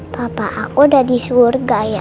papa aku udah di surga ya